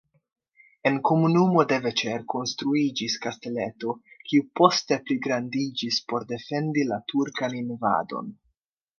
En komunumo Devecser konstruiĝis kasteleto, kiu poste pligrandiĝis por defendi la turkan invadon.